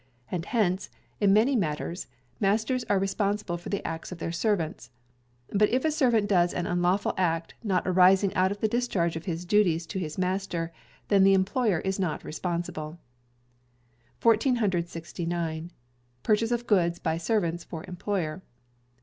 And hence, in many matters, masters are responsible for the acts of their servants. But if a servant does an unlawful act, not arising out of the discharge of his duties to his master, then the employer is not responsible. 1469. Purchase of Goods by Servants for Employer.